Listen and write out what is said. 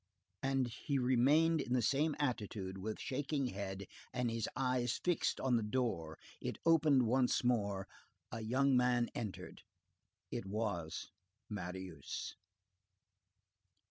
And he remained in the same attitude, with shaking head, and his eyes fixed on the door. It opened once more. A young man entered. It was Marius.